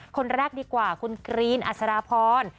คนแรกดีกว่าคุณกรีนอัศราพร